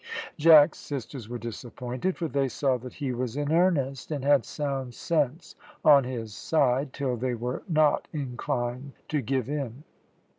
Jack's sisters were disappointed, for they saw that he was in earnest, and had sound sense on his side, still they were not inclined to give in.